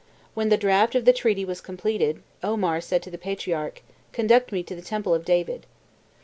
"When the draft of the treaty was completed, Omar said to the patriarch, 'Conduct me to the temple of David.